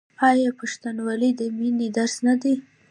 آیا پښتونولي د مینې درس نه دی؟